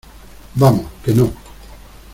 vamos, que no...